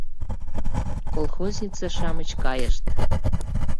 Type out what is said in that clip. Колхознице-шамыч кайышт.